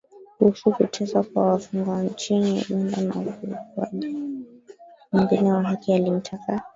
Kuhusu kuteswa kwa wafungwa nchini Uganda na ukiukwaji mwingine wa haki akimtaka.